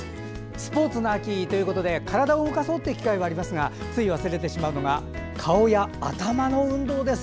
スポーツの秋ということで体を動かそうという機会はありますがつい忘れてしまうのが顔や頭の運動です。